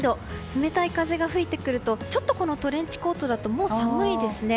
冷たい風が吹いてくるとちょっと、トレンチコートだともう寒いですね。